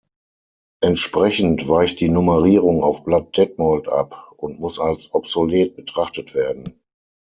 Entsprechend weicht die Nummerierung auf Blatt Detmold ab und muss als obsolet betrachtet werden.